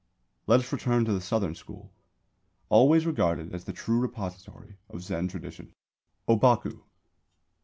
Let us return to the Southern School, always regarded as the true repository of Zen tradition. ŌBAKU.